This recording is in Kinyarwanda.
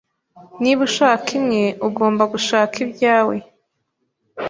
Niba ushaka imwe, ugomba gushaka ibyawe